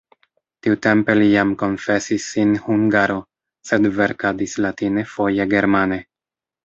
Tiutempe li jam konfesis sin hungaro, sed verkadis latine, foje germane.